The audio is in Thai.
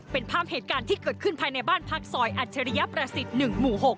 เป็นภาพเหตุการณ์ที่เกิดขึ้นภายในบ้านพักซอยอัจฉริยประสิทธิ์๑หมู่๖